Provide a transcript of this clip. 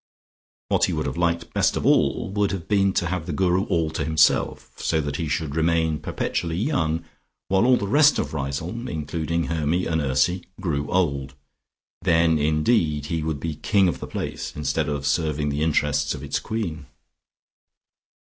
What he would have liked best of all would have been to have the Guru all to himself, so that he should remain perpetually young, while all the rest of Riseholme, including Hermy and Ursy, grew old. Then, indeed, he would be king of the place, instead of serving the interests of its queen.